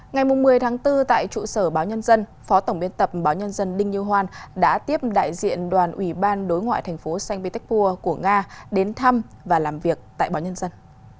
ngày một mươi tháng bốn tại trụ sở báo nhân dân phó tổng biên tập báo nhân dân đinh như hoan đã tiếp đại diện đoàn ủy ban đối ngoại thành phố saint petersburg của nga đến thăm và làm việc tại báo nhân dân